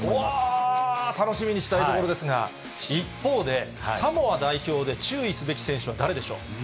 うわー、楽しみにしたいところですが、一方で、サモア代表で注意すべき選手は誰でしょう。